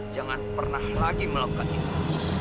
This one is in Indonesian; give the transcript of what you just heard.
jangan pernah lagi melakukan itu